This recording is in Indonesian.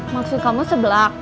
maksud kamu sebelah